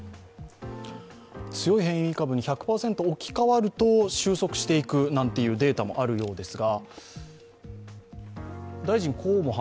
強い変異株に１００％置き換わると収束していくなんてデータもあるようですが。